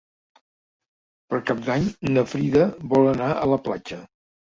Per Cap d'Any na Frida vol anar a la platja.